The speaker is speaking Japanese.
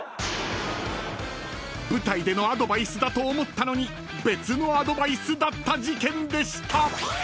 ［舞台でのアドバイスだと思ったのに別のアドバイスだった事件でした］